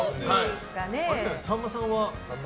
さんまさんは。